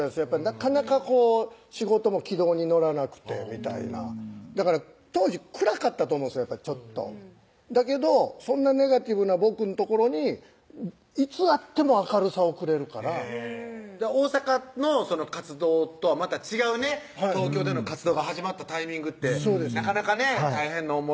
なかなかこう仕事も軌道に乗らなくてみたいなだから当時くらかったと思うんですちょっとだけどそんなネガティブな僕の所にいつ会っても明るさをくれるから大阪の活動とはまた違うね東京での活動が始まったタイミングってなかなかね大変な思い